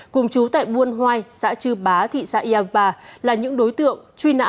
cùng chú tại buôn hoai xã chư bá thị xã yang ba là những đối tượng truy nã